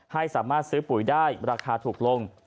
ให้สามารถซื้อปุ๋ยได้ราคาถูกลง